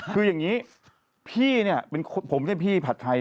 คืออย่างนี้พี่เนี่ยผมไม่ใช่พี่ผัดไทย